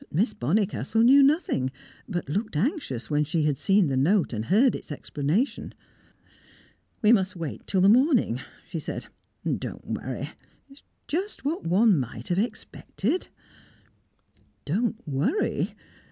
Miss Bonnicastle knew nothing, but looked anxious when she had seen the note and heard its explanation. "We must wait till the morning," she said. "Don't worry. It's just what one might have expected." Don't worry!